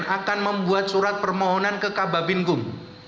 akan membuat surat permohonan ke kababinkum